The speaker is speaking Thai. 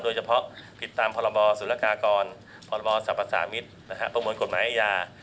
โดยเฉพาะผิดตามพศุลากากรพสรรพสามิทประมวลกฎหมายไอ้ยา